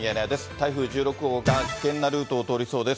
台風１６号が危険なルートを通りそうです。